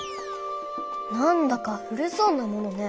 なんだか古そうなものね。